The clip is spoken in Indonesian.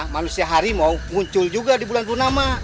manusia harimau muncul juga di bulan purnama